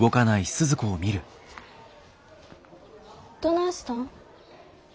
どないしたん？